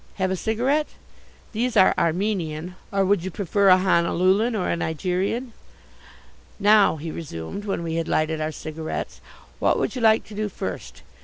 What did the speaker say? Have a cigarette? These are Armenian, or would you prefer a Honolulan or a Nigerian? Now," he resumed, when we had lighted our cigarettes, "what would you like to do first?